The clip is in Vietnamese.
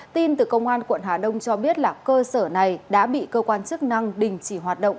tin từ công an quận hà đông cho biết là cơ sở này đã bị cơ quan chức năng đình chỉ hoạt động